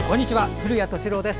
古谷敏郎です。